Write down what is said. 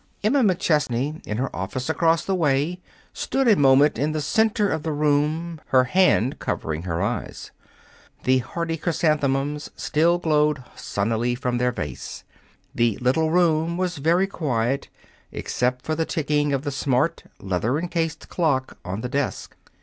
Emma McChesney, in her office across the way, stood a moment in the center of the room, her hand covering her eyes. The hardy chrysanthemums still glowed sunnily from their vase. The little room was very quiet except for the ticking of the smart, leather encased clock on the desk.